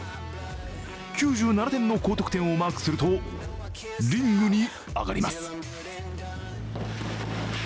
９７点の高得点をマークすると、リングに上がります。